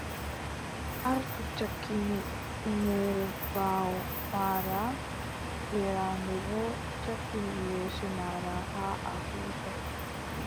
Artu cakkinu ƴummere ɓaawo maaɗa, yeeraande boo cakkinu yeeso maaɗa haa a huuca.